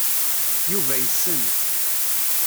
Yuba yessen.